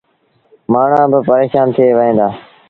مآڻهوٚݩ با پريشآن ٿئي وهيݩ دآ۔